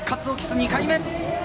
２回目。